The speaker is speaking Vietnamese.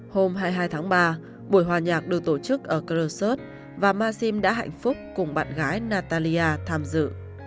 hôm hai mươi hai tháng ba buổi hòa nhạc được tổ chức ở grosso city và maxim đã hạnh phúc cùng bạn gái natalia tham dự